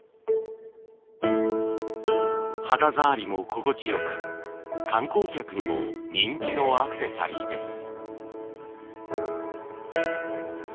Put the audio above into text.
肌触りも心地良く観光客にも人気のアクセサリーです。